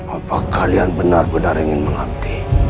apa kalian benar benar ingin mengabdi